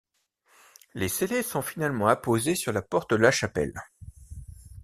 Les scellés sont finalement apposés sur la porte de la chapelle.